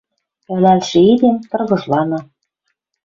Ӹлӓлшӹ эдем — тыргыжлана.